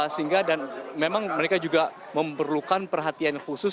sehingga dan memang mereka juga memerlukan perhatian khusus